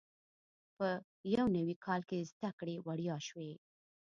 په یو نوي کال کې زده کړې وړیا شوې.